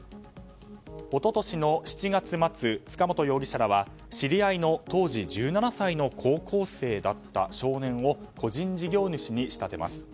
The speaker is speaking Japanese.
一昨年の７月末、塚本容疑者らは知り合いの当時１７歳の高校生だった少年を個人事業主に仕立てます。